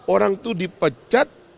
orang tuh dipecat